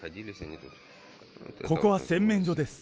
ここは洗面所です。